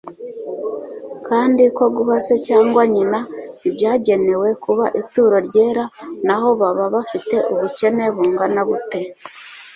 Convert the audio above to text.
kandi ko guha se cyangwa nyina ibyagenewe kuba ituro ryera naho baba bafite ubukene bungana bute,